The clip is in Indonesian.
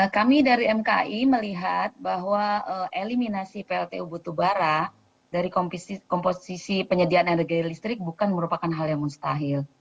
kami dari mki melihat bahwa eliminasi pltu batubara dari komposisi penyediaan energi listrik bukan merupakan hal yang mustahil